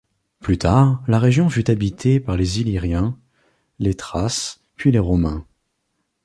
Plus tard, la région fut habitée par les Illyriens, les Thraces puis les Romains.